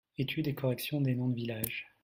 Etude et correction des noms de villages.